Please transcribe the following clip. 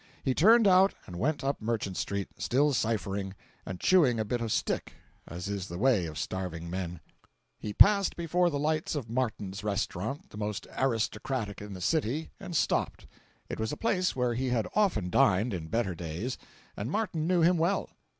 He turned out and went up Merchant street, still ciphering; and chewing a bit of stick, as is the way of starving men. 432.jpg (38K) He passed before the lights of Martin's restaurant, the most aristocratic in the city, and stopped. It was a place where he had often dined, in better days, and Martin knew him well.